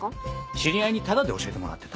知り合いにタダで教えてもらってた。